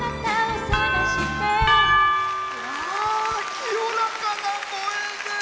清らかな声で。